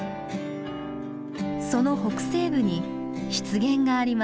その北西部に湿原があります。